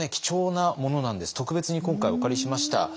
特別に今回お借りしました。